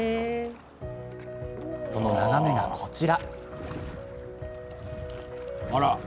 その眺めが、こちら。